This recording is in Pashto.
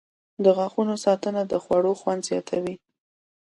• د غاښونو ساتنه د خوړو خوند زیاتوي.